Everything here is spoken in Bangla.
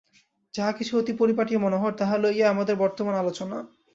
যাহা কিছু অতি পরিপাটি ও মনোহর, তাহা লইয়াই আমাদের বর্তমান আলোচনা।